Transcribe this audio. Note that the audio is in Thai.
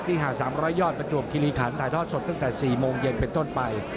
หาด๓๐๐ยอดประจวบคิริขันถ่ายทอดสดตั้งแต่๔โมงเย็นเป็นต้นไป